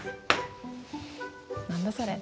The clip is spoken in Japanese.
何だそれ？